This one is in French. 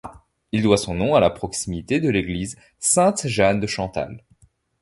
Il doit son nom à la proximité de l'église Sainte-Jeanne-de-Chantal.